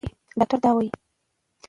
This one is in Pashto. ډاکټره دا وايي.